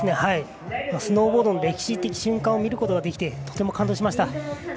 スノーボードの歴史的瞬間を見ることができてとても感動しました。